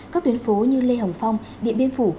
các tuyến phố như lê hồng phong điện biên phủ